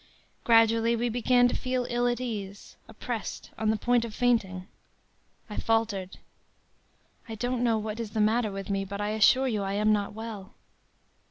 Gradually, we began to feel ill at ease, oppressed, on the point of fainting. I faltered: “'I don't know what is the matter with me, but, I assure you I am not well.'